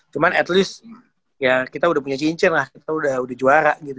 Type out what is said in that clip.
cuma at least ya kita udah punya cincin lah kita udah juara gitu